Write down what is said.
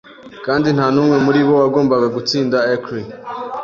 Kandi nta n'umwe muri bo wagombaga gutsinda Acre